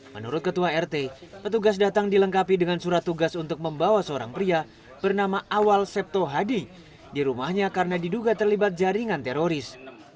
menurut ketua rt petugas datang dilengkapi dengan surat tugas untuk membawa seorang pria bernama awal septo hadi di rumahnya karena diduga terlibat jaringan teroris